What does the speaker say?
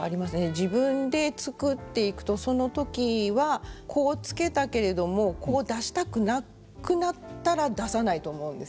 自分で作っていくとその時はこう付けたけれどもこう出したくなくなったら出さないと思うんです。